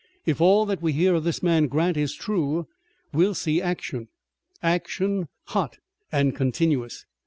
If all that we hear of this man Grant is true, we'll see action, action hot and continuous."